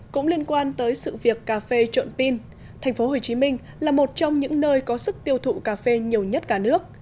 cũng liên quan tới sự việc cà phê trộn pin thành phố hồ chí minh là một trong những nơi có sức tiêu thụ cà phê nhiều nhất cả nước